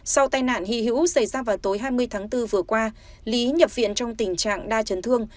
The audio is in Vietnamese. sau tai nạn hy hữu xảy ra vào tối hai mươi tháng bốn vừa qua lý nhập viện trong tình trạng đa chấn thương